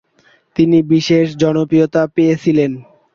তিনি বিশেষ জনপ্রিয়তা পেয়েছিলেন।